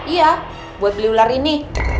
iya buat beli ular ini